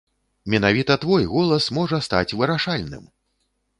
Менавіта твой голас можа стаць вырашальным!